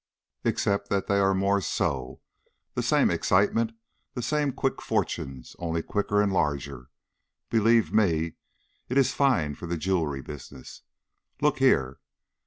"Except that they are more so. The same excitement, the same quick fortunes, only quicker and larger. Believe me, it's fine for the jewelry business. Look here."